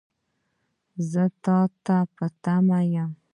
زه تا ته په تمه یم .